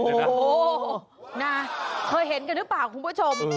โอ้โหนะเคยเห็นกันหรือเปล่าคุณผู้ชม